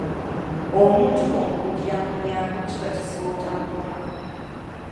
Omuntu bw'omubuukira mu mulyango, kiba kizibu obutamukoonako.